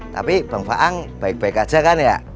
tapi bang faang baik baik aja kan ya